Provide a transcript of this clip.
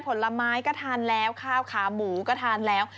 ผลไม้ก็ทานแล้วข้าวขาหมูก็ทานแล้ว